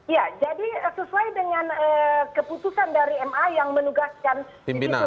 ya jadi sesuai dengan keputusan dari ma yang menugaskan